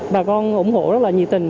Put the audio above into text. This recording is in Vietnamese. bà con ủng hộ rất là nhiệt tình